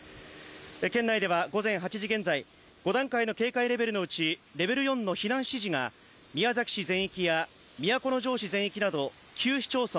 県内では午前８時現在、５段階のレベルのうちレベル４の避難指示が宮崎市全域や都城市全域など９市町村